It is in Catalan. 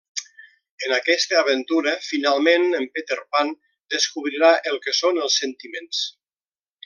En aquesta aventura finalment en Peter Pan descobrirà el que són els sentiments.